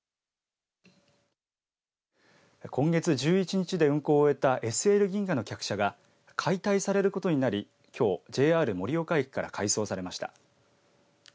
今月１１日で運行を終えたＳＬ銀河の客車が解体されることになりきょうＪＲ盛岡駅から回送されました。